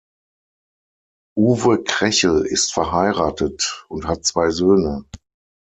Uwe Krechel ist verheiratet und hat zwei Söhne.